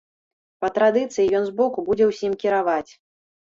Па традыцыі ён з боку будзе ўсім кіраваць.